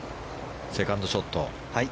セカンドショット。